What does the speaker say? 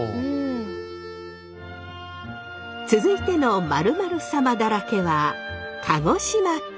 続いての〇〇サマだらけは鹿児島県。